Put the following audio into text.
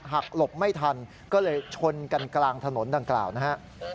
หลบไม่ทันก็เลยชนกันกลางถนนดังกล่าวนะฮะ